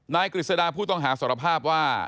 กฤษดาผู้ต้องหาสารภาพว่า